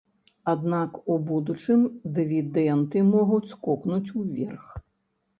Аднак у будучым дывідэнды могуць скокнуць уверх.